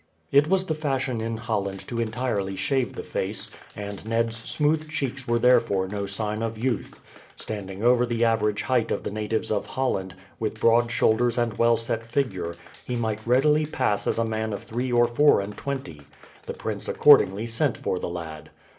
It was the fashion in Holland to entirely shave the face, and Ned's smooth cheeks were therefore no sign of youth. Standing over the average height of the natives of Holland, with broad shoulders and well set figure, he might readily pass as a man of three or four and twenty. The prince accordingly sent for the lad.